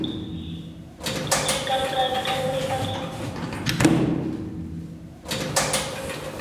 Se ga'al karika pai asaw